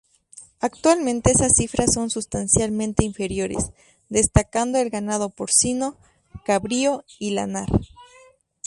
Actualmente esas cifras son sustancialmente inferiores, destacando el ganado Porcino, Cabrío y Lanar.